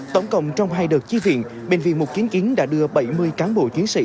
tổng cộng trong hai đợt chi viện bệnh viện mục kiến kiến đã đưa bảy mươi cán bộ chiến sĩ